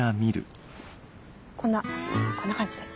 こんなこんな感じで。